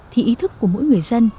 thì ý thức của mỗi người dân